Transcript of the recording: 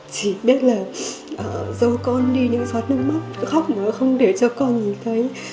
chỉ biết là dấu con đi những giọt nước mắt khóc mà không để cho con nhìn thấy